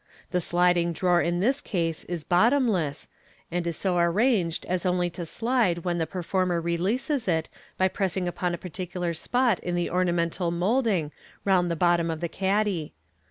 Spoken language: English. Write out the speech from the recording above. The sliding drawer in this case is bottomless, and is so Fig. 182 MODERN' MAGTC. .W arranged as only to slide when the performer releases it by pressing upon a particular spot in the ornamental moulding round the bottom of the caddy.